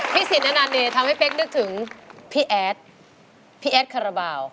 พี่สิทธิ์นานานเนยทำให้เป๊กนึกถึงพี่แอดพี่แอดขระเบา